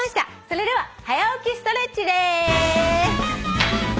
それでは「はや起きストレッチ」です。